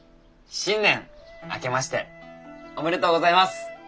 新年明けましておめでとうございます。